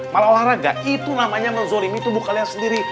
malah olahraga itu namanya menzolimi tubuh kalian sendiri